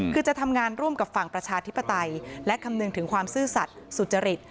คือจะทำงานร่วมกับฝั่งประชาธิปไตยและคำนึงถึงความซื่อสัตว์สุจริต